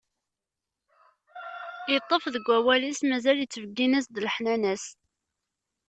Iṭṭef deg wawal-is, mazal ittbeggin-as-d leḥnana-s.